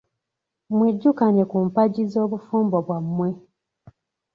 Mwejjukanye ku mpagi z’obufumbo bwammwe.